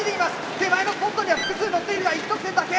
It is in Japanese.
手前のスポットには複数のっているが１得点だけ。